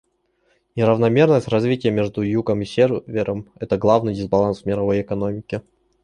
Неравномерность развития между Югом и Севером — это главный дисбаланс в мировой экономике.